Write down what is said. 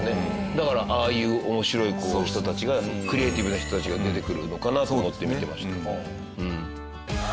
だからああいう面白い人たちがクリエイティブな人たちが出てくるのかなと思って見てました。